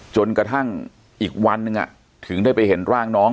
จนกระทั่งอีกวันหนึ่งถึงได้ไปเห็นร่างน้อง